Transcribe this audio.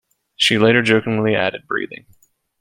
She later jokingly added breathing.